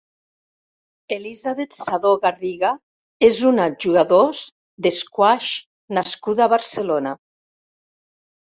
Elisabet Sadó Garriga és una jugadors d'esquàix nascuda a Barcelona.